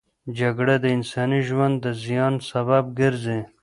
جګړه د انساني ژوند د زیان سبب ګرځي.